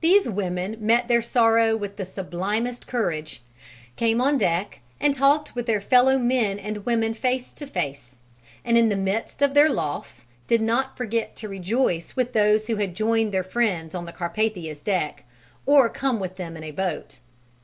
These women met their sorrow with the sublimest courage, came on deck and talked with their fellow men and women face to face, and in the midst of their loss did not forget to rejoice with those who had joined their friends on the Carpathia's deck or come with them in a boat.